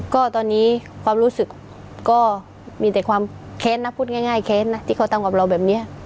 ก็ตอนนี้ความรู้สึกมีแต่ความเคล้นนะพูดง่ายที่เขาตรงกับเราแบบนี้